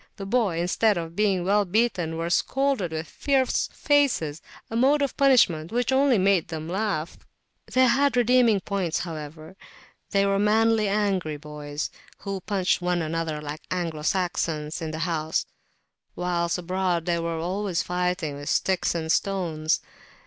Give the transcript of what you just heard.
The boys, instead of being well beaten, were scolded with fierce faces, a mode of punishment which only made them laugh. They had their redeeming points, however; they were manly angry boys, who punched one another like Anglo Saxons in the house, whilst abroad they were always [p.294] fighting with sticks and stones.